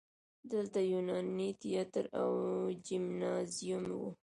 دلته یوناني تیاتر او جیمنازیوم و